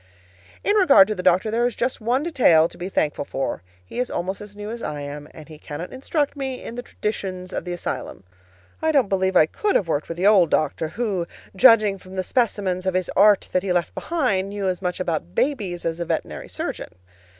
In regard to the doctor, there is just one detail to be thankful for: he is almost as new as I am, and he cannot instruct me in the traditions of the asylum. I don't believe I COULD have worked with the old doctor, who, judging from the specimens of his art that he left behind, knew as much about babies as a veterinary surgeon.